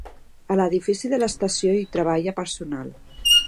A l'edifici de l'estació hi treballa personal.